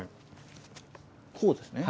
こうですね？